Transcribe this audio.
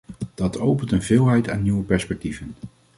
Dat opent een veelheid aan nieuwe perspectieven.